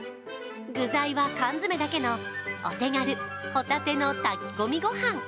具材は缶詰だけのお手軽ホタテの炊き込みご飯。